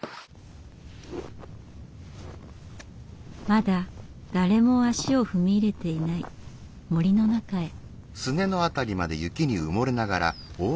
まだ誰も足を踏み入れていない森の中へ。